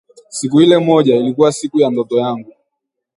Siku ile moja, ilikuwa siku ya ndoto yangu